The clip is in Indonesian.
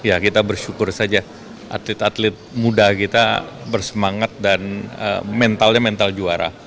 dan ya kita bersyukur saja atlet atlet muda kita bersemangat dan mentalnya mental juara